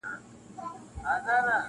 • نو بهر له محکمې به څه تیریږي -